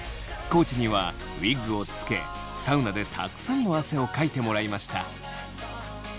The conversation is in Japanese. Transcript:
地にはウィッグをつけサウナでたくさんの汗をかいてもらいました。